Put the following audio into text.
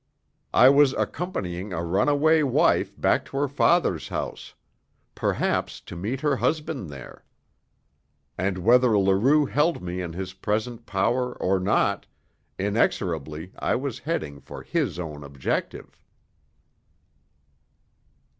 I was accompanying a run away wife back to her father's home, perhaps to meet her husband there. And whether Leroux held me in his present power or not, inexorably I was heading for his own objective.